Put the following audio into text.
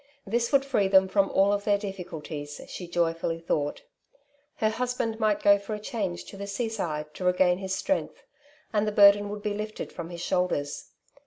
This would free them from all their diffi culties, she joyfully thought; her husband might go for a change to the sea side to regain his strength, and the burden would be lifted from his shoulders.